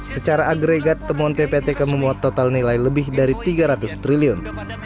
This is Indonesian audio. secara agregat temuan ppatk memuat total nilai lebih dari tiga ratus triliun